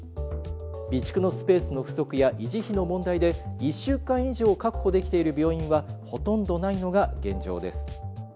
備蓄のスペースの不足や維持費の問題で１週間以上確保できている病院はほとんどないのが現状です。